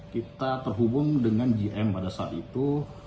kita terhubung dengan gm pada saat itu